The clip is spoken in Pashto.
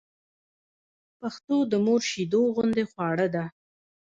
پښتو د مور شېدو غوندې خواړه ده